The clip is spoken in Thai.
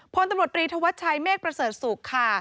พตศเมฆประเสริฐสุขค่ะ